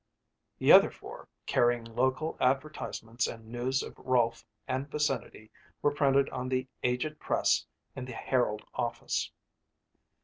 The other four, carrying local advertisements and news of Rolfe and vicinity were printed on the aged press in the Herald office.